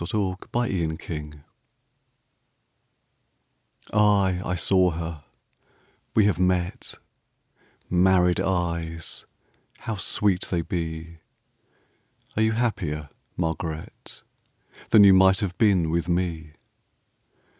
Jean Ingelow Song of Margaret AY, I saw her, we have met, Married eyes how sweet they be, Are you happier, Margaret, Than you might have been with me?